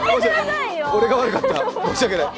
俺が悪かった、申し訳ない。